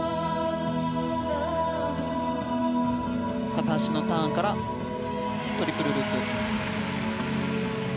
片足のターンからトリプルループ。